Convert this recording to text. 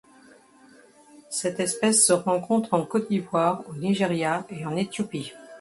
Cette espèce se rencontre en Côte d'Ivoire, au Nigeria et en Éthiopie.